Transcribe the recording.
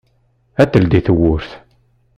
Ad d-teldi tewwurt.